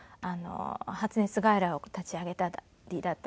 発熱外来を立ち上げたりだったり